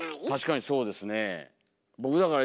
確かにそうですね。